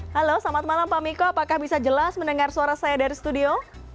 halo selamat malam pak miko apakah bisa jelas mendengar suara saya dari studio